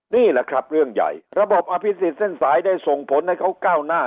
นี่แหละครับเรื่องใหญ่ระบบอภิษฎเส้นสายได้ส่งผลให้เขาก้าวหน้า